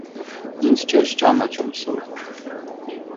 - Ինձ չե՞ս ճանաչում, Սուրեն…